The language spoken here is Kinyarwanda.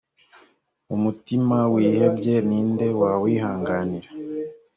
umutima wihebye ni nde wawihanganira